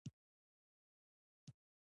تاسو ګورئ چې خدای پاک یوازې مرسته کوي.